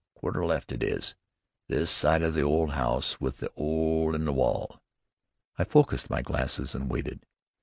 Quarter left it is, this side the old 'ouse with the 'ole in the wall." I focused my glasses and waited.